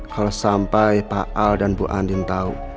kalau sampai pak al dan bu andin tahu